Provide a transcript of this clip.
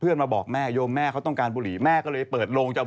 เพื่อนมาบอกแม่โยมแม่เขาต้องการบุหรี่